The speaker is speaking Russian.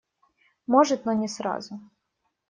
Может, но не сразу.